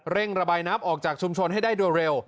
เร่งระบายน้ำออกจากชุมชนให้ได้เร็ว